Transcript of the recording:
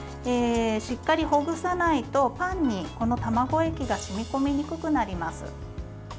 しっかりほぐさないとパンにこの卵液が染み込みにくくなります。